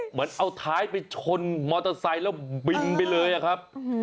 เหมือนเอาท้ายไปชนมอเตอร์ไซค์แล้วบินไปเลยอะครับ